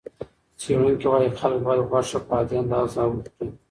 څېړونکي وايي خلک باید غوښه په عادي اندازه وخوري.